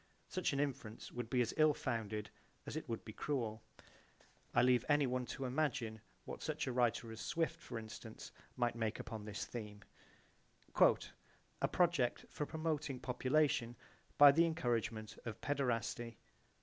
Such an inference would be as ill founded as it would be cruel. (I leave anyone to imagine what such a writer as Swift, for instance, might make upon this theme, "A project for promoting population by the encouragement of paederasty."